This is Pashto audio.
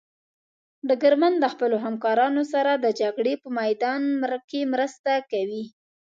ډګرمن د خپلو همکارانو سره د جګړې په میدان کې مرسته کوي.